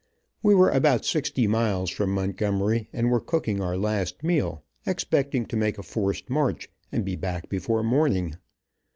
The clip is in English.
We were about sixty miles from Montgomery, and were cooking our last meal, expecting to make a forced march and be back before morning.